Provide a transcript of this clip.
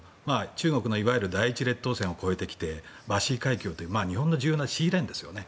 中国のいわゆる第一列島線を越えてきてバシー海峡という日本の重要なシーレーンですよね。